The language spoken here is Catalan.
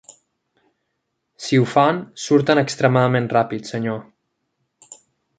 Si ho fan, surten extremadament ràpid, senyor.